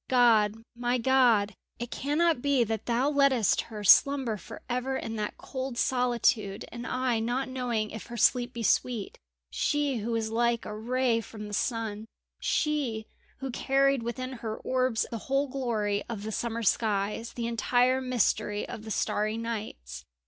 "God! my God! it cannot be that Thou lettest her slumber for ever in that cold solitude and I not knowing if her sleep be sweet. She who was like a ray from the sun she who carried within her orbs the whole glory of the summer skies, the entire mystery of the starry nights.